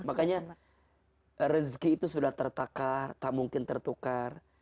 makanya rezeki itu sudah tertakar tak mungkin tertukar